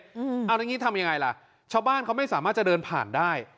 เอาอย่างนี้ทำยังไงล่ะชาวบ้านเขาไม่สามารถจะเดินผ่านได้